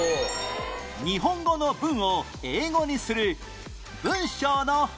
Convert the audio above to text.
日本語の文を英語にする文章の翻訳